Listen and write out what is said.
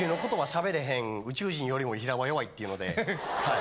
喋れへん宇宙人よりも平場弱いっていうのではい。